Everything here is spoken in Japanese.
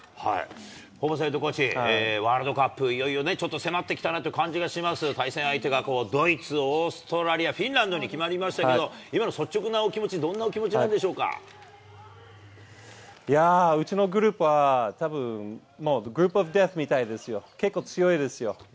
ホーバスヘッドコーチ、ワールドカップ、いよいよちょっと迫ってきたなという感じがします、対戦相手がドイツ、オーストラリア、フィンランドに決まりましたけど、今の率直なお気持ち、どんなお気いやぁ、うちのグループはたぶん、もうグループオブデスみたいな感じですよ、結構強いですよ。